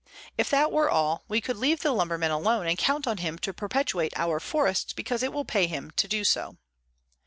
If that were all, we could leave the lumberman alone and count on him to perpetuate our forests because it will pay him to do so.